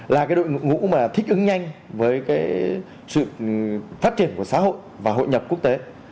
là đội ngũ thích ứng nhanh với sự phát triển của xã hội và hội nhập quốc tế